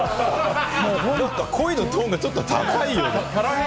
声のトーンがちょっと高いよね。